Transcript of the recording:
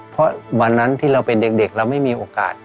เพราะวันนั้นที่เราเป็นเด็กเราไม่มีโอกาส